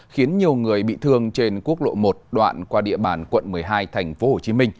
khiến nhiều người bị thương trên quốc lộ một đoạn qua địa bàn quận một mươi hai tp hcm